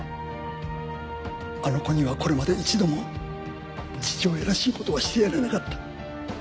あの子にはこれまで一度も父親らしい事はしてやれなかった。